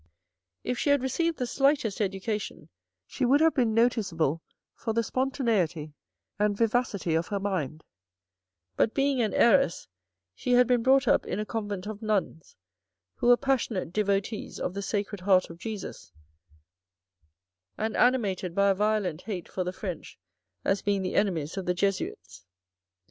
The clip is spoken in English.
If she had received the slightest education, she would have been noticeable for the spontaneity and vivacity of her mind, but being an heiress, she had been brought up in a Convent of Nuns, who were passionate devotees of the Sacred Heart of Jesus and animated by a violent hate for the French as being the enemies of the Jesuits.